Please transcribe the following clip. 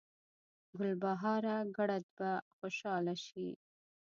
ګلبهاره ګړد به خوشحاله شي